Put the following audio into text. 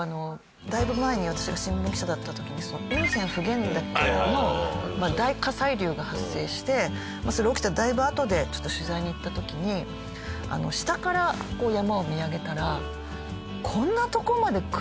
だいぶ前に私が新聞記者だった時に雲仙・普賢岳の大火砕流が発生してそれ起きただいぶあとでちょっと取材に行った時に下からこう山を見上げたら。